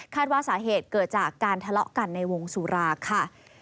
ว่าสาเหตุเกิดจากการทะเลาะกันในวงสุราค่ะ